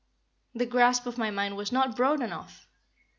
The grasp of my mind was not broad enough.